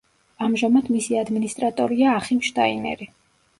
ამჟამად მისი ადმინისტრატორია ახიმ შტაინერი.